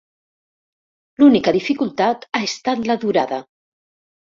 L'única dificultat ha estat la durada.